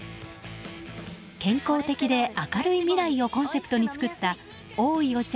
健康的で明るい未来をコンセプトに作ったおいお茶